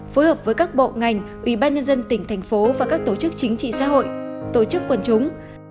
phối hợp với các bộ ngành ủy ban nhân dân tỉnh thành phố và các tổ chức chính trị xã hội tổ chức quần chúng